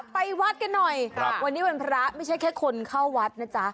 ไปวัดกันหน่อยวันนี้วันพระไม่ใช่แค่คนเข้าวัดนะจ๊ะ